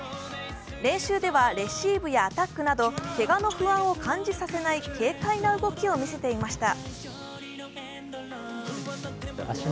練習ではレシーブやアタックなどけがの不安を感じさせない軽快な動きを見せていました。